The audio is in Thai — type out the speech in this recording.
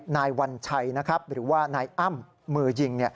นายวัญชัยหรือว่านายอ้ำมือยิง